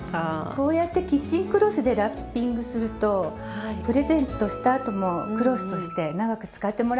こうやってキッチンクロスでラッピングするとプレゼントしたあともクロスとして長く使ってもらえますよね。